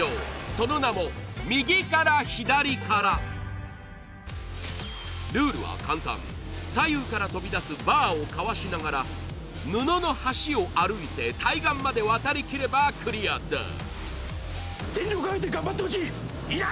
その名もルールは簡単左右から飛び出すバーをかわしながら布の橋を歩いて対岸まで渡り切ればクリアだ全力を挙げて頑張ってほしいいいな！